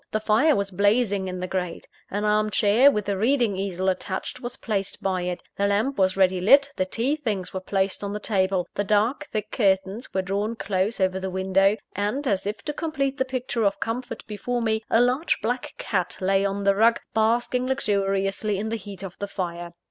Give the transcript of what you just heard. The fire was blazing in the grate; an arm chair, with a reading easel attached, was placed by it; the lamp was ready lit; the tea things were placed on the table; the dark, thick curtains were drawn close over the window; and, as if to complete the picture of comfort before me, a large black cat lay on the rug, basking luxuriously in the heat of the fire.